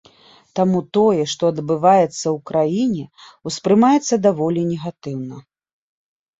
Таму тое, што адбываецца ў краіне, ўспрымаецца даволі негатыўна.